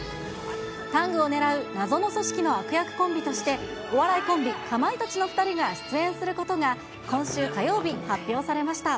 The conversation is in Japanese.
タングを狙う謎の組織の悪役コンビとして、お笑いコンビ、かまいたちの２人が出演することが、今週火曜日、発表されました。